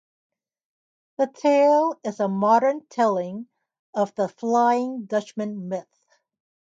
The tale is a modern telling of the "Flying Dutchman" myth.